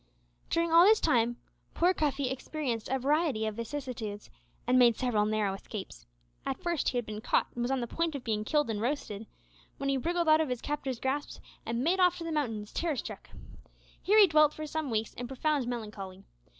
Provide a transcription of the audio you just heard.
During all this time poor Cuffy experienced a variety of vicissitudes, and made several narrow escapes. At first he had been caught and was on the point of being killed and roasted, when he wriggled out of his captor's grasp and made off to the mountains, terrorstruck! Here he dwelt for some weeks in profound melancholy.